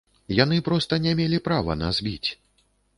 Яны проста не мелі права нас біць.